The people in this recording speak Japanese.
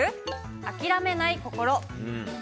諦めない心。